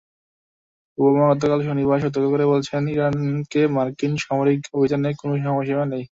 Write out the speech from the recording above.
Obama গতকাল শনিবার সতর্ক করে বলেছেন, ইরাকে মার্কিন সামরিক অভিযানের কোনো সময়সীমা নেই।